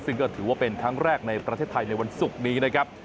ซึ่งก็ถือว่าเป็นครั้งแรกในประเทศไทยในวันศุกร์นี้นะครับ